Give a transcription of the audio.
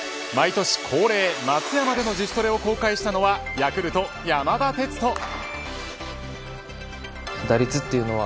毎年恒例松山での自主トレを公開したのはヤクルト、山田哲人。